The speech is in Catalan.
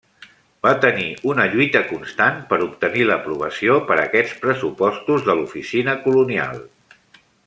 Va tenir una lluita constant per obtenir l'aprovació per aquests pressupostos de l'oficina colonial.